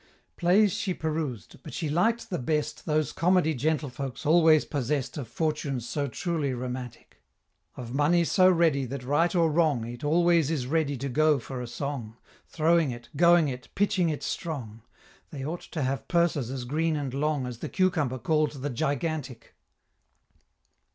Plays she perused but she liked the best Those comedy gentlefolks always possess'd Of fortunes so truly romantic Of money so ready that right or wrong It always is ready to go for a song, Throwing it, going it, pitching it strong They ought to have purses as green and long As the cucumber call'd the Gigantic.